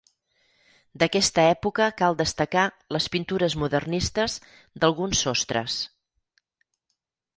D'aquesta època cal destacar les pintures modernistes d'alguns sostres.